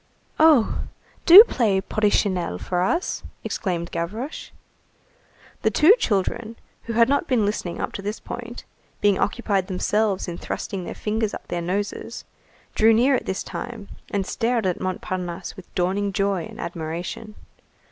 "Oh! Do play Porrichinelle for us!" exclaimed Gavroche. The two children, who had not been listening up to this point, being occupied themselves in thrusting their fingers up their noses, drew near at this name, and stared at Montparnasse with dawning joy and admiration.